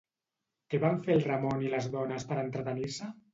Què van fer el Ramon i les dones per entretenir-se?